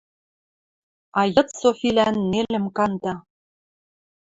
А йыд Софилӓн нелӹм канда.